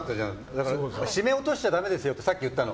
だから、絞め落としちゃダメですよってさっき言ったの。